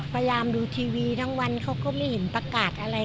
พยายามดูทีวีทั้งวันเขาก็ไม่เห็นประกาศอะไร